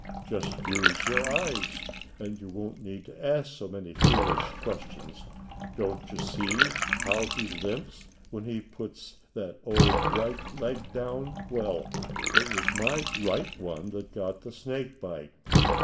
Just use your eyes, and you won't need to ask so many foolish questions. Don't you see how he limps when he puts that old right leg down? Well, it was my right one that got the snake bite.